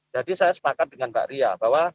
jadi saya sepakat dengan mbak ria bahwa